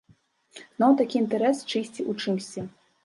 Зноў такі інтарэс чыйсьці ў чымсьці.